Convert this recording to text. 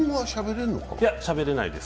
いや、しゃべれないです。